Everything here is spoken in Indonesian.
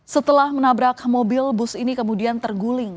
setelah menabrak mobil bus ini kemudian terguling